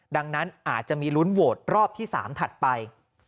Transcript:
ดังนั้นอาจจะมีลุ้นโหวตรอบที่๓ถัดไป